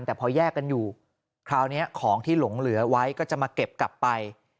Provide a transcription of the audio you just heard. แต่พอแยกกันอยู่คราวนี้ของที่หลงเหลือไว้ก็จะมาเก็บกลับไป